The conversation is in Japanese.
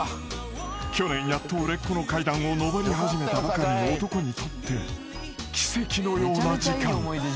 ［去年やっと売れっ子の階段を上り始めたばかりの男にとって奇跡のような時間］